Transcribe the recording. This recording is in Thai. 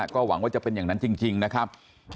ก็หวังว่าจะเป็นอย่างนั้นจริงนะครับ